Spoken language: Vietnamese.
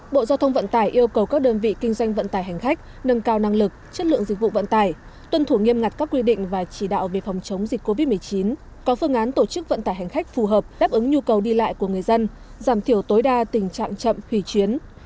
bộ giao thông vận tải yêu cầu các đơn vị kinh doanh vận tải hành khách nâng cao năng lực chất lượng dịch vụ vận tải tuân thủ nghiêm ngặt các quy định và chỉ đạo về phòng chống dịch covid một mươi chín có phương án tổ chức vận tải hành khách phù hợp đáp ứng nhu cầu đi lại của người dân giảm thiểu tối đa tình trạng chậm hủy chuyến